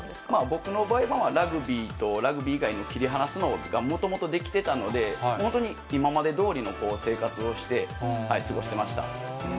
僕の場合は、ラグビーとラグビー以外を切り離すのがもともとできてたので、本当に今までどおりの生活をして、過ごしてました。